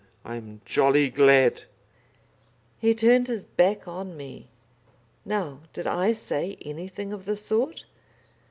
I'm jolly glad." He turned his back on me. Now did I say anything of the sort?